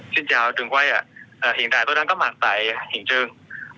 xin chào trường quay hiện tại tôi đang có mặt tại hiện trường